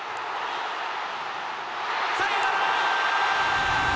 サヨナラ！